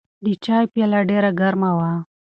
د چای پیاله ډېره ګرمه وه.